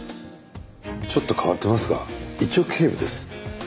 ちょっと変わってますが一応警部です。